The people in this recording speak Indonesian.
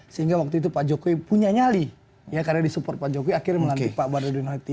sehingga waktu itu pak jokowi punya nyali karena disupport pak jokowi akhirnya melantik pak barodinati